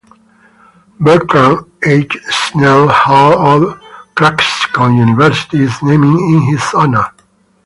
Bertrand H. Snell Hall at Clarkson University is named in his honor.